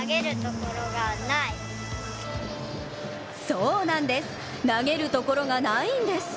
そうなんです、投げるところがないんです！